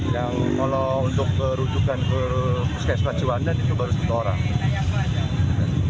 yang kalau untuk kerujukan ke puskesmas ciwandan itu baru satu orang